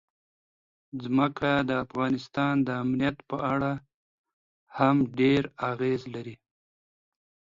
ځمکه د افغانستان د امنیت په اړه هم ډېر اغېز لري.